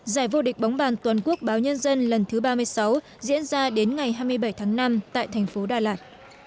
giải vô địch bóng bàn toàn quốc báo nhân dân lần thứ ba mươi sáu diễn ra đến ngày hai mươi bảy tháng năm tại thành phố đà lạt